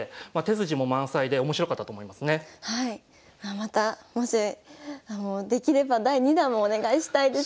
またもしできれば第２弾もお願いしたいです。